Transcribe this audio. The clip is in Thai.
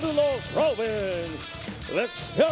มีความรู้สึกว่า